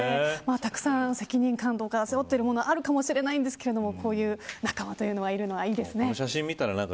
たくさん責任感とか背負っているものがあると思うんですがこういう仲間がいるのいいですね。